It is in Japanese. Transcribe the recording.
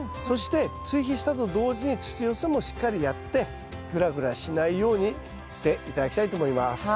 そして追肥したと同時に土寄せもしっかりやってぐらぐらしないようにして頂きたいと思います。